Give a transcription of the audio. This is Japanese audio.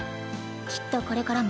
きっとこれからも。